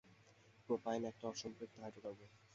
Propyne একটি অসম্পৃক্ত hydrocarbon.